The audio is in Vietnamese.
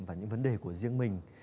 và những vấn đề của riêng mình